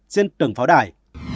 trên từng pháo đài